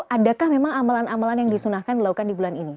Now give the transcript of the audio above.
adakah memang amalan amalan yang disunahkan dilakukan di bulan ini